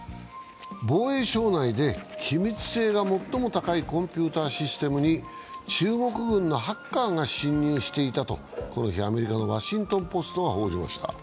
防衛省内で機密性が最も高いコンピューターシステムに中国軍のハッカーが侵入していたとこの日、アメリカの「ワシントン・ポスト」が報じました。